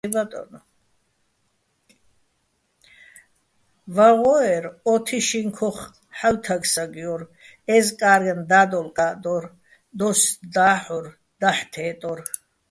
ვაღო́ერ ო თიშიჼ ქოხ ჰ̦ალო̆ თაგ-საგჲო́რ, ე́ზკარენ და́დოლკაჸ დო́რ, დოს და́ჰ̦ორ, დაჰ̦ თე́ტორ.